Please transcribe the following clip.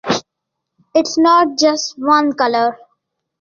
It's not just one color.